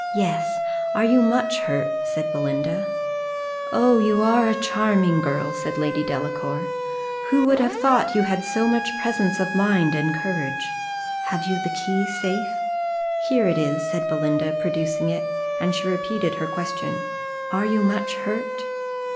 "Yes are you much hurt?" said Belinda. "Oh, you are a charming girl!" said Lady Delacour. "Who would have thought you had so much presence of mind and courage have you the key safe?" "Here it is," said Belinda, producing it; and she repeated her question, "Are you much hurt?"